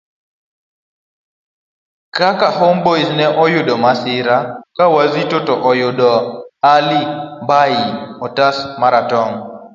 kk Homeboyz ne oyudo masira ka Wazito to oyudo Ali bhai otas maratong'